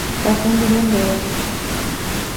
Case un billón de euros.